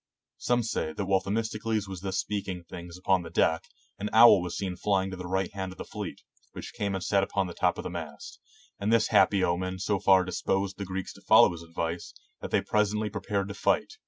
Some say that while The mistocles was thus speaking things upon the deck, an owl was seen flying to the right hand of the fleet, which came and sat upon the top of the mast; and this happy omen so far disposed the Greeks to follow his advice, that they presently prepared to fight.